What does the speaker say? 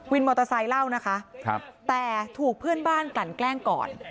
มอเตอร์ไซค์เล่านะคะแต่ถูกเพื่อนบ้านกลั่นแกล้งก่อน